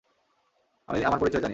আমি আমার পরিচয় জানি।